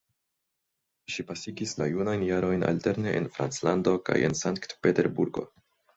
Ŝi pasigis la junajn jarojn alterne en Franclando kaj en Sankt Peterburgo.